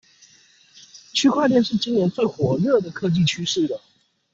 區塊鏈是今年最火熱的科技趨勢了